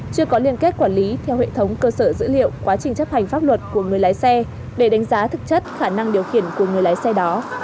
chưa có liên kết quản lý theo hệ thống cơ sở dữ liệu quá trình chấp hành pháp luật của người lái xe để đánh giá thực chất khả năng điều khiển của người lái xe đó